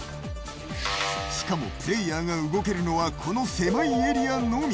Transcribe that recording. しかもプレイヤーが動けるのは、この狭いエリアのみ。